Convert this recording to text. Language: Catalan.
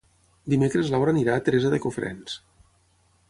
Dimecres na Laura anirà a Teresa de Cofrents.